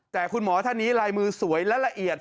แต่คุณหมอท่านนี้ลายมือสวยและละเอียด